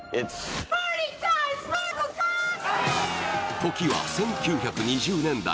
時は１９２０年代。